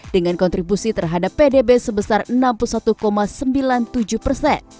dengan kontribusi terhadap pdb sebesar rp enam puluh satu sembilan puluh